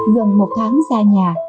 gần một tháng xa nhà